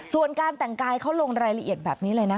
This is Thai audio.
ส่วนการแต่งกายเขาลงรายละเอียดแบบนี้เลยนะ